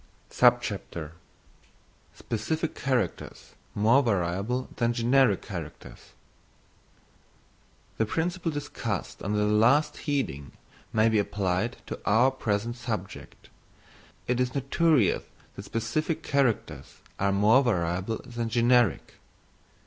Specific Characters more Variable than Generic Characters. The principle discussed under the last heading may be applied to our present subject. It is notorious that specific characters are more variable than generic.